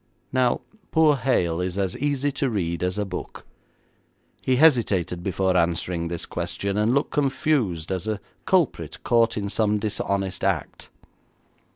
Now poor Hale is as easy to read as a book. He hesitated before answering this question, and looked confused as a culprit caught in some dishonest act.